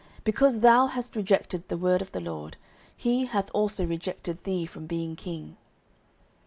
Because thou hast rejected the word of the LORD, he hath also rejected thee from being king.